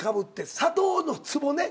砂糖のつぼね。